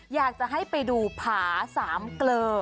อยากจะให้ไปดูผาสามเกลอ